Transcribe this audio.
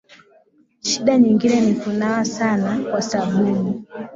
Shida nyingine ni kunawa sana kwa sabuni